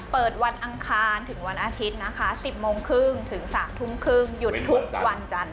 เปิดวันอังคารถึงวันอาทิตย์นะคะ๑๐๓๐๓๓๐หยุดทุกวันจันทร์